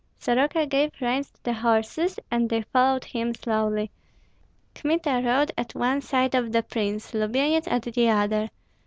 Soroka gave reins to the horses, and they followed him slowly. Kmita rode at one side of the prince, Lubyenyets at the other.